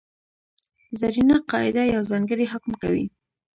زرینه قاعده یو ځانګړی حکم کوي.